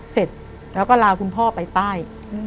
เสร็จแล้วก็ลาคุณพ่อไปป้าย